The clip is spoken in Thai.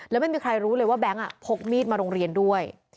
แล้วไม่มีใครรู้เลยว่าแบงค์พกมีดมาโรงเรียนด้วย